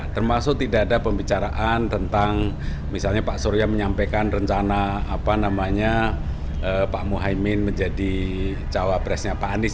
termasuk tidak ada pembicaraan tentang misalnya pak surya menyampaikan rencana pak muhaymin menjadi cawapresnya pak anies